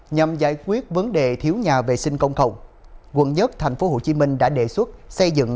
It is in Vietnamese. nhằm giải quyết vấn đề thiếu nhà vệ sinh công cộng quận một tp hcm đã đề xuất xây dựng